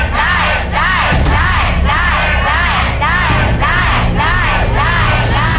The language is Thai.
ได้ได้ได้